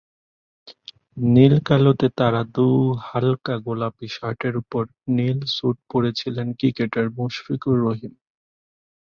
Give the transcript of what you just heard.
নীল-কালোতে তারা দুইহালকা গোলাপি শার্টের ওপরে নীল স্যুট পরেছিলেন ক্রিকেটার মুশফিকুর রহিম।